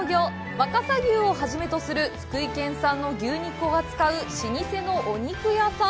若狭牛を初めとする福井県産の牛肉を扱う老舗のお肉屋さん。